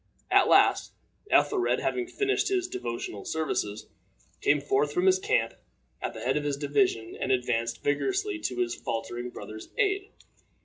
At last, Ethelred, having finished his devotional services, came forth from his camp at the head of his division, and advanced vigorously to his faltering brother's aid.